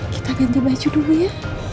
kita ganti baju dulu ya